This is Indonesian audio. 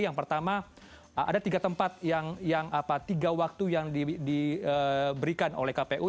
yang pertama ada tiga tempat yang tiga waktu yang diberikan oleh kpu